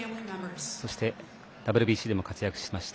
そして、ＷＢＣでも活躍しました